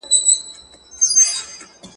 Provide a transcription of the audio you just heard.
هر څوک ورته لاسرسی لري.